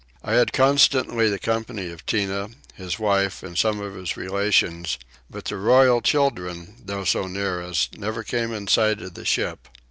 I had constantly the company of Tinah, his wife, and some of his relations; but the royal children, though so near us, never came in sight of the ship.